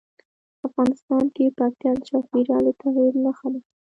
افغانستان کې پکتیا د چاپېریال د تغیر نښه ده.